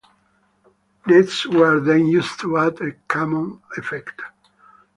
Nets were then used to add a camo effect.